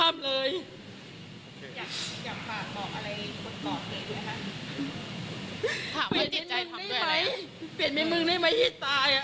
เป็นเป็นมึงได้ไหมที่ตาย